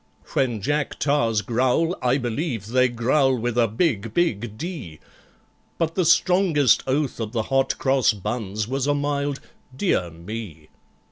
When Jack Tars growl, I believe they growl with a big big D— But the strongest oath of the Hot Cross Buns was a mild "Dear me!"